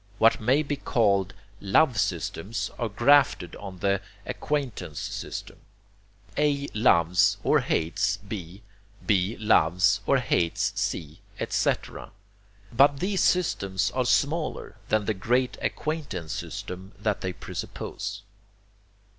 What may be called love systems are grafted on the acquaintance system. A loves (or hates) B; B loves (or hates) C, etc. But these systems are smaller than the great acquaintance system that they presuppose.